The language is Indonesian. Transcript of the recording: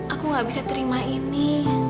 aku gak bisa terima ini